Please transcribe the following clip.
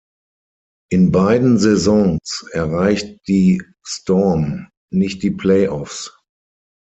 In beiden Saisons erreicht die Storm nicht die Playoffs.